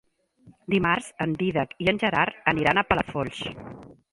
Dimarts en Dídac i en Gerard aniran a Palafolls.